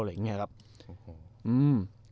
อะไรเงี้ยครับ